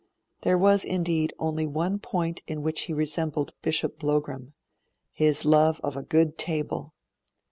There was, indeed, only one point in which he resembled Bishop Blougram his love of a good table.